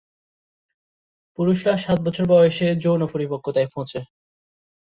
পুরুষরা সাত বছর বয়সে যৌন পরিপক্কতায় পৌঁছে।